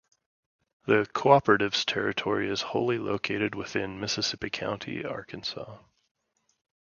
The Cooperative's territory is wholly located within Mississippi County, Arkansas.